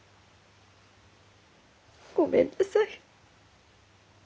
ごめんなさい。